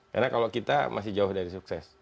karena kalau kita masih jauh dari sukses